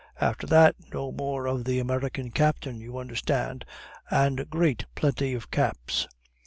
After that, no more of the American captain, you understand, and great plenty of caps.